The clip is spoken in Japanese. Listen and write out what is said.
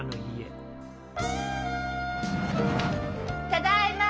ただいま！